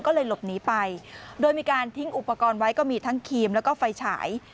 ก็เลยหลบหนีไปโดยมีการทิ้งอุปกรณ์ไว้ก็มีทั้งครีมแล้วก็ไฟฉาย